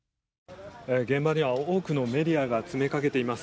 現場には多くのメディアが詰めかけています。